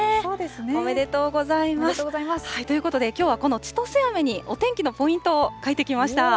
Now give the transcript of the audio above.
おめでとうございます。ということで、きょうは、このちとせあめにお天気のポイントを書いてきました。